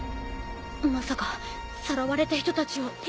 まさかさらわれた人たちを石に！？